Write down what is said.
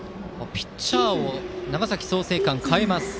ピッチャーを長崎・創成館が代えます。